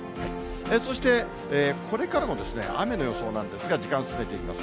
そして、これからの雨の予想なんですが、時間進めていきます。